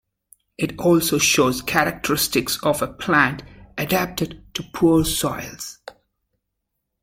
It also shows characteristics of a plant adapted to poor soils.